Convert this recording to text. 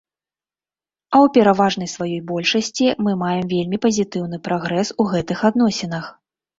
А ў пераважнай сваёй большасці мы маем вельмі пазітыўны прагрэс у гэтых адносінах.